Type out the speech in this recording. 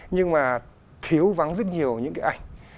nhưng mà thiếu vắng rất nhiều những ảnh